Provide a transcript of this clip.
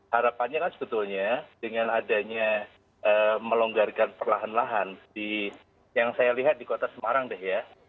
harapannya kan sebetulnya dengan adanya melonggarkan perlahan lahan yang saya lihat di kota semarang deh ya